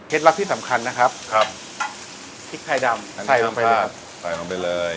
เท็จลับที่สำคัญนะครับพริกไทยดำใส่ลงไปเลยครับใส่ลงไปเลย